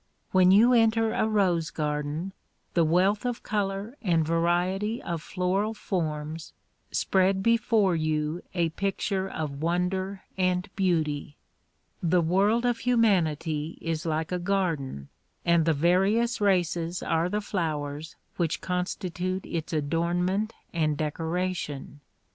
When you enter a rose garden the wealth of color and variety of floral forms spread before you a picture of wonder and beauty. The world of hu manity is like a garden and the various races are the flowers which constitute its adornment and decoration.